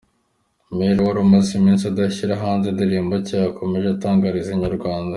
Maylo wari umaze iminsi adashyira hanze indirimbo nshya, yakomeje atangariza Inyarwanda.